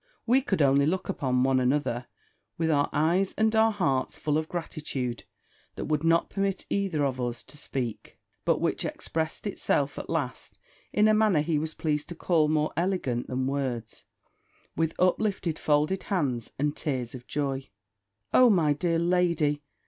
We could only look upon one another, with our eyes and our hearts full of a gratitude that would not permit either of us to speak, but which expressed itself at last in a manner he was pleased to call more elegant than words with uplifted folded hands, and tears of joy. O my dear lady!